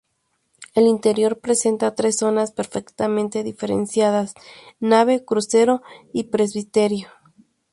El interior presenta tres zonas perfectamente diferenciadas: Nave, crucero y presbiterio.